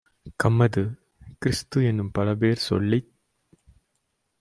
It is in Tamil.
கம்மது, கிறிஸ்து-எனும் பலபேர் சொல்லிச்